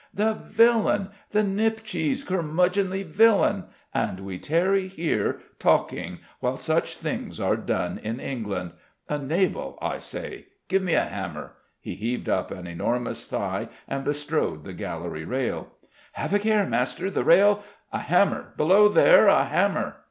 "The villain! The nipcheese curmudgeonly villain! And we tarry here, talking, while such things are done in England! A Nabal, I say. Give me a hammer!" He heaved up an enormous thigh and bestrode the gallery rail. "Have a care, master: the rail " "A hammer! Below there. A hammer!"